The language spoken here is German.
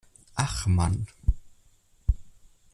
Ach Mann.